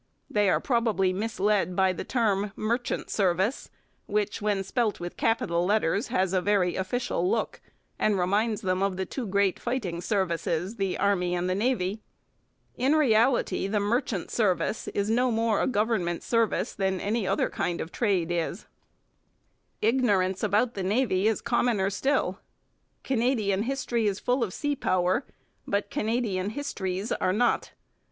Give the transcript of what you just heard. They are probably misled by the term 'Merchant Service,' which, when spelt with capital letters, has a very official look and reminds them of the two great fighting 'services,' the Army and the Navy. In reality the merchant service is no more a government service than any other kind of trade is. [Illustration: THE SPIRIT OF THE LAKES By Lorado Taft, in the Chicago Art Institute] Ignorance about the Navy is commoner still. Canadian history is full of sea power, but Canadian histories are not.